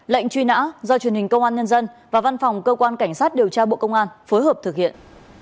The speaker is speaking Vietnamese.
lệnh truy nã do truyền hình công an nhân dân và văn phòng cơ quan cảnh sát điều tra bộ công an phối hợp thực hiện